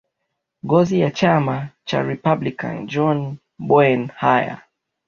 ngozi wa chama cha republican john bowen hay